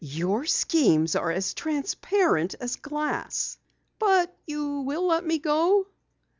"Your schemes are as transparent as glass." "But you will let me go?"